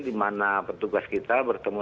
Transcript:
dimana petugas kita bertemu